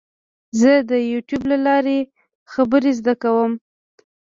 زه د یوټیوب له لارې خبرې زده کوم.